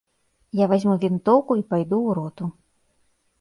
Я вазьму вінтоўку і пайду ў роту.